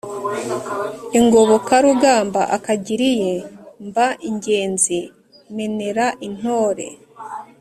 ingobokarugamba akagira iye, mba ingenzi menera intore,